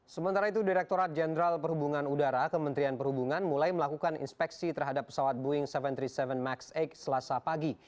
sementara itu direkturat jenderal perhubungan udara kementerian perhubungan mulai melakukan inspeksi terhadap pesawat boeing tujuh ratus tiga puluh tujuh max delapan selasa pagi